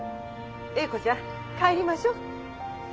英子ちゃん帰りましょう。